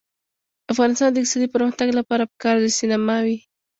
د افغانستان د اقتصادي پرمختګ لپاره پکار ده چې سینما وي.